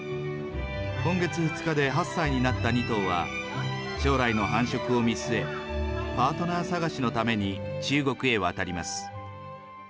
今月２日で８歳になった２頭は、将来の繁殖を見据え、パートナー探しのために中国へ渡ります。